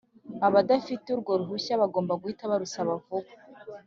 abadafite urwo ruhusa bagomba guhita barusaba vuba